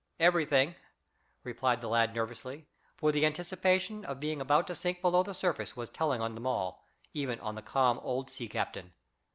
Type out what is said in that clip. "Everything," replied the lad nervously, for the anticipation of being about to sink below the surface was telling on them all, even on the calm, old sea captain.